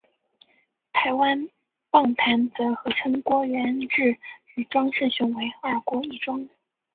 台湾棒坛则合称郭源治与庄胜雄为二郭一庄。